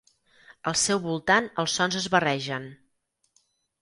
Al seu voltant els sons es barregen.